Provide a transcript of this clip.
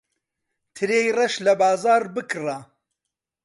ترێی ڕەش لە بازاڕ بکڕە.